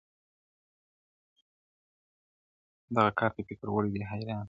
دغه کار ته فکر وړی دی حیران دی-